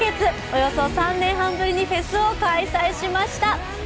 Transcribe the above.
およそ３年半ぶりにフェスを開催しました。